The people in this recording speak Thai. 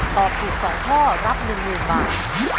ตอบถูก๒ข้อรับ๑๐๐๐บาท